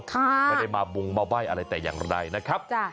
ไม่ได้มาบงมาใบ้อะไรแต่อย่างไรนะครับ